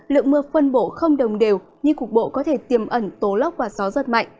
lượng mưa phân bộ không đồng đều nhưng cục bộ có thể tiềm ẩn tố lốc và gió giật mạnh